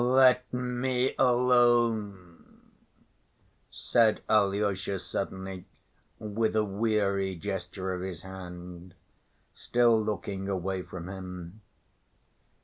"Let me alone," said Alyosha suddenly, with a weary gesture of his hand, still looking away from him.